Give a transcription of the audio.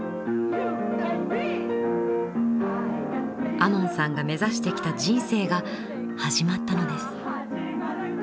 亞門さんが目指してきた人生が始まったのです。